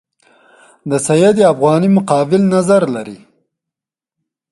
د سید افغاني مقابل نظر لري.